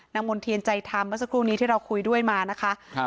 มณ์เทียนใจธรรมเมื่อสักครู่นี้ที่เราคุยด้วยมานะคะครับ